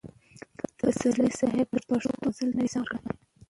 پسرلي صاحب د پښتو غزل ته نوې ساه ورکړه.